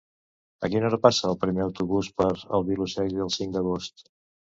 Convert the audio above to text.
A quina hora passa el primer autobús per el Vilosell el cinc d'agost?